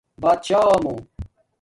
باتشاہ مُو